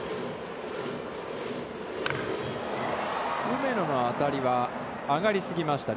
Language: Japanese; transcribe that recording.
梅野の当たりは上がりすぎました。